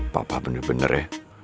papa bener bener ya